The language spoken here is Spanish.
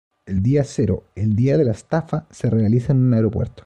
El día cero, el día de la estafa se realiza en un aeropuerto.